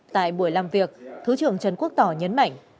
tại buổi làm việc thứ trưởng trần quốc tỏ nhấn mạnh